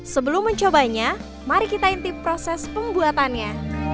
sebelum mencobanya mari kita intip proses pembuatannya